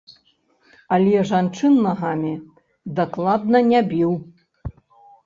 Але жанчын нагамі дакладна не біў.